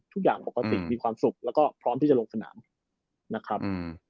ทุกอย่างปกติมีความสุขแล้วก็พร้อมที่จะลงสนามนะครับ